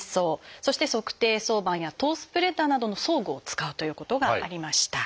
そして足底挿板やトースプレッダーなどの装具を使うということがありました。